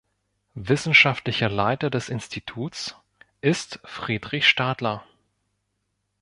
Wissenschaftlicher Leiter des Instituts ist Friedrich Stadler.